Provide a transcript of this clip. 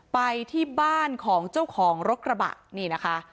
ไปที่บ้านของเจ้าของรถกระบะนี่นะคะ